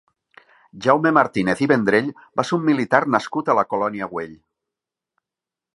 Jaume Martínez i Vendrell va ser un militar nascut a La Colònia Güell.